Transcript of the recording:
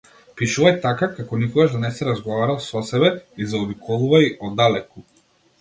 Пишувај така, како никогаш да не си разговарал со себе и заобиколувај оддалеку.